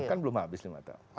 kan belum habis lima tahun